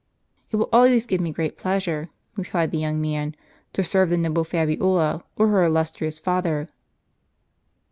"It will always give me great pleasure," replied the young man, "to serve the noble Fabiola, or her illustrious father."